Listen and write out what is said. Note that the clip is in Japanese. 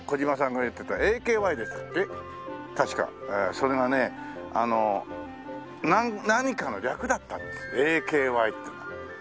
それがね何かの略だったんですＡＫＹってのがね。